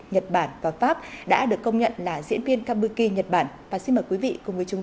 nhật bản và pháp đã được công nhận là diễn viên kabuki nhật bản và xin mời quý vị cùng với chúng